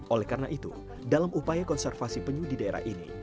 oleh karena itu dalam upaya konservasi penyu di daerah ini